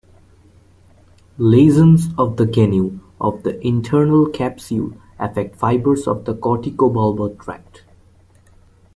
Lesions of the genu of the internal capsule affect fibers of the corticobulbar tract.